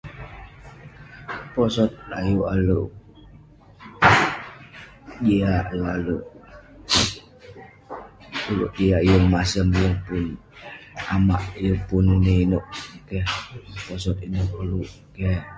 Posot ayuk ale jiak, ayuk ale ulouk jiak. Yeng masem, yeng pun amak, yeng pun inouk inouk keh. Posot ineh koluk keh.